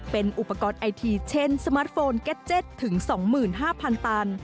เป็นอุปกรณ์ไอทีเช่นสมาร์ทโฟนเก็ตเจ็ตถึง๒๕๐๐๐ตัน